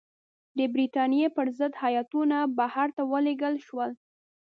د برټانیې پر ضد هیاتونه بهر ته ولېږل شول.